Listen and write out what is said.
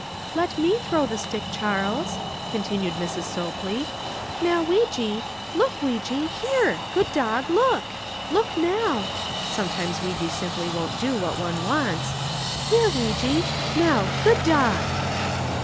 "Let me throw the stick, Charles," continued Mrs. Sopley. "Now, Weejee, look Weejee here, good dog look! look now (sometimes Weejee simply won't do what one wants), here, Weejee; now, good dog!"